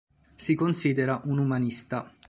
Si considera un umanista.